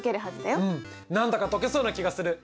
うん何だか解けそうな気がする。